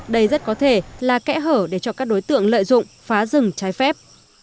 đây rất có thể là kẽ hở để cho các đối tượng lợi dụng phá rừng trái phép